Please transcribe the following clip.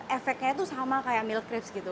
efeknya itu sama seperti milt krips gitu